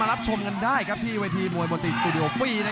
ได้รับเจริญค่ะที่วญทีมวยนมดตีสตูดิโอฟรี